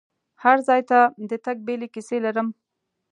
هر ځای ته د تګ بیلې کیسې لرم.